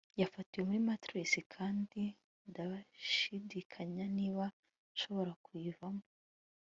yafatiwe muri matrix, kandi ndashidikanya niba nshobora kuyivamo